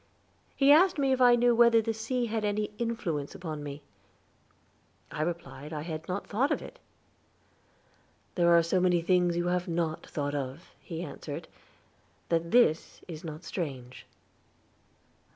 He asked me if I knew whether the sea had any influence upon me; I replied that I had not thought of it. "There are so many things you have not thought of," he answered, "that this is not strange."